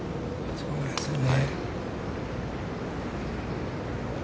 そうですね。